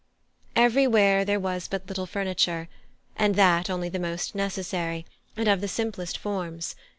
Everywhere there was but little furniture, and that only the most necessary, and of the simplest forms.